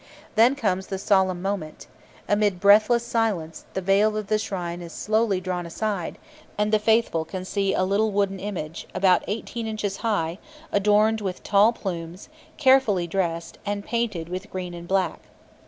Then comes the solemn moment. Amid breathless silence, the veil of the shrine is slowly drawn aside, and the faithful can see a little wooden image, about 18 inches high, adorned with tall plumes, carefully dressed, and painted with green and black.